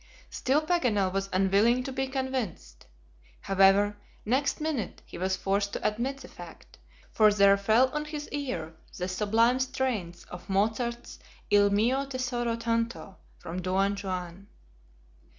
Still Paganel was unwilling to be convinced. However, next minute he was forced to admit the fact, for there fell on his ear the sublime strains of Mozart's "Il mio tesoro tanto" from Don Juan.